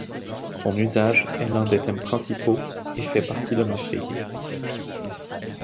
Son usage est l'un des thèmes principaux, et fait partie de l'intrigue.